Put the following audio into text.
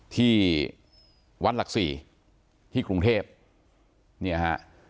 ที่วัดหลักศรีที่กรุงเทพเนี่ยฮะ